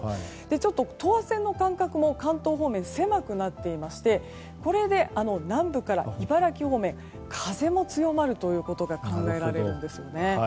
ちょっと、等圧線の間隔も関東方面では狭くなっていましてこれで、南部から茨城方面風も強まるということが考えられるんですね。